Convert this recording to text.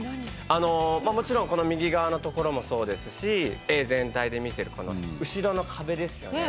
あのもちろんこの右側のところもそうですし絵全体で見てるこの後ろの壁ですよね。